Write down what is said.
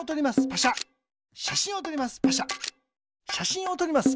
しゃしんをとります。